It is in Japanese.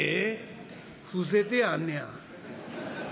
「伏せてあんのや」。